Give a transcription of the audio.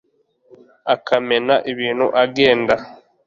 akamena ibintu agenda